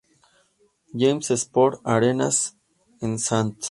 James Sports Arena en St.